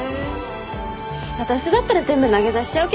私だったら全部投げ出しちゃうけどね。